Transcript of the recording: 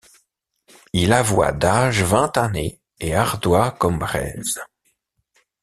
Il avoyt d’aage vingt années et ardoyt comme braize.